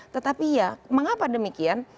tetapi ya mengapa demikian